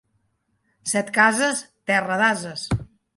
Setcases, terra d'ases.